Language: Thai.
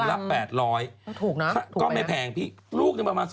กิโลกรัมละ๘๐๐ก็ไม่แพงพี่ลูกนี่ประมาณ๒๓โล